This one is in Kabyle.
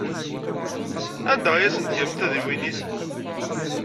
Anda ay asen-tgamt tadiwennit?